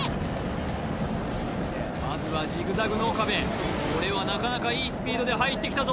まずはジグザグ脳かべこれはなかなかいいスピードで入ってきたぞ